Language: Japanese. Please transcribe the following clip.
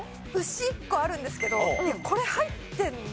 牛１個あるんですけどこれ入ってるの？